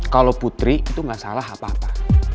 kalau putri itu gak salah apa apa